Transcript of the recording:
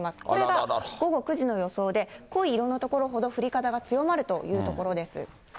これが午後９時の予想で、濃い色の所ほど降り方が強まるという所です。